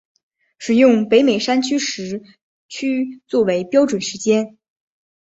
使用北美山区时区作为标准时间。